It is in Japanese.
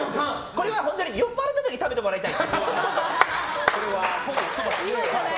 これは本当に酔っ払った時に食べてもらいたい。